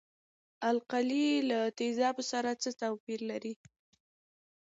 القلي له تیزابو سره څه توپیر لري.